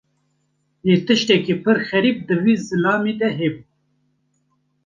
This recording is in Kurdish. Lê tiştekî pir xerîb di vî zilamî de hebû.